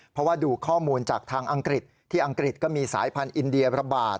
เพราะว่าดูข้อมูลจากทางอังกฤษที่อังกฤษก็มีสายพันธุ์อินเดียระบาด